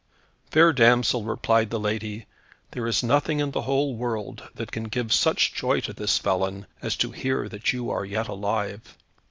"Fair damsel," replied the lady, "there is nothing in the whole world that can give such joy to this felon, as to hear that you are yet alive.